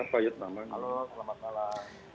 halo selamat malam